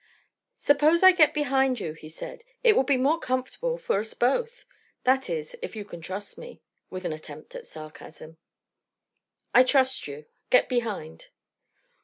"Suppose I get behind you," he said. "It will be more comfortable for us both. That is, if you can trust me," with an attempt at sarcasm. "I trust you. Get behind."